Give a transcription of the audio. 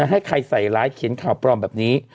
ให้ใครใส่ร้ายเขียนข่าวปลอมแบบนี้